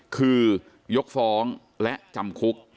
คือยกฟ้องและจำคุก